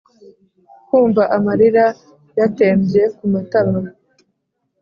nkumva amarira yatembye kumatama